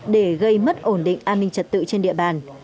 để gây mất ổn định an ninh trật tự trên địa bàn